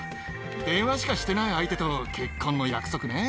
電話しかしてない相手と結婚の約束ね。